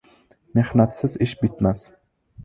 Mehnatsiz ish bitmas